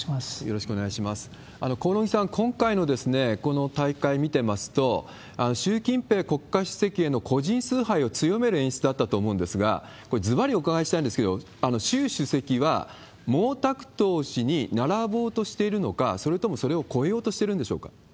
興梠さん、今回のこの大会見てますと、習近平国家主席への個人崇拝を強める演出だったと思うんですが、これ、ずばりお伺いしたいんですけれども、周主席は毛沢東氏に並ぼうとしているのか、それともそれを超えようとしているんでしょうか？